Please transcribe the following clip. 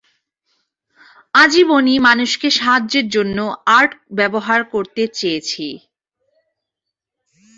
আজীবন-ই মানুষকে সাহায্যের জন্য আর্ট ব্যবহার করতে চেয়েছি।